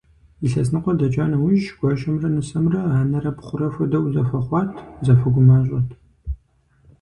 Илъэс ныкъуэ дэкӀа нэужь, гуащэмрэ нысэмрэ анэрэ пхъурэ хуэдэу зэхуэхъуат, зэхуэгумащӀэт.